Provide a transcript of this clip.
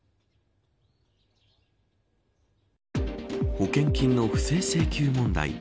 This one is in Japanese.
保険金の不正請求問題